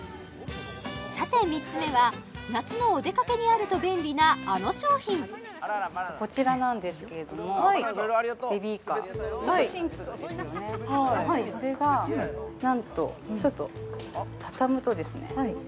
さて３つ目は夏のお出かけにあると便利なあの商品こちらなんですけれどもちょっとシンプルですよねこんな？